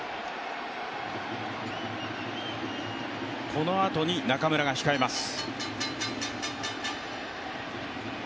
このあとに中村が控えます。